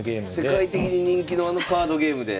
世界的に人気のあのカードゲームで。